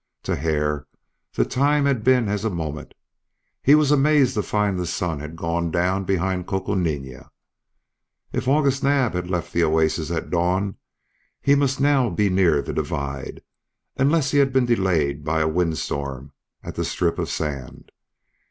To Hare the time had been as a moment; he was amazed to find the sun had gone down behind Coconina. If August Naab had left the oasis at dawn he must now be near the divide, unless he had been delayed by a wind storm at the strip of sand.